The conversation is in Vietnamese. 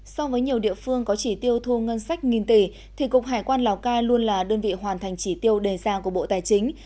so với nhiều địa phương có chỉ tiêu thu ngân sách nghìn tỷ thì cục hải quan lào cai luôn là đơn vị hoàn thành chỉ tiêu đề ra của bộ tài chính